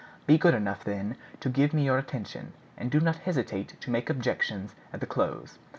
Be good enough, then, to give me your attention, and do not hesitate to make objections at the close.